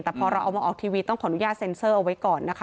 แต่พอเราเอามาออกทีวีต้องขออนุญาตเซ็นเซอร์เอาไว้ก่อนนะคะ